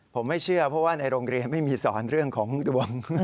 ผมไม่เชื่อเพราะว่าในโรงเรียนไม่มีสอนเรื่องของดวง